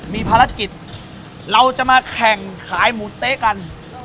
มีภารกิจเราจะมาแข่งขายหมูสะเต๊ะกัน